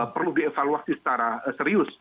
perlu dievaluasi secara serius